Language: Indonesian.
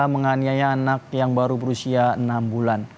menganiaya anak yang baru berusia enam bulan